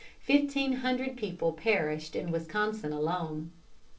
Fifteen hundred people perished in Wisconsin alone.